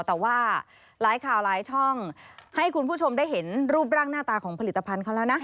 แต่ว่าหลายข่าวหลายช่องให้คุณผู้ชมได้เห็นรูปร่างหน้าตาของผลิตภัณฑ์เขาแล้วนะ